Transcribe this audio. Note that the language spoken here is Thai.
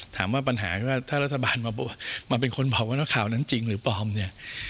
ถามว่าปัญหาว่าถ้ารัฐบาลมาเป็นคนบอกว่านักข่าวนั้นจริงหรือปลอมเนี่ย